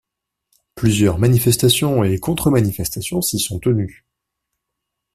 Plusieurs manifestations et contre-manifestations s'y sont tenues.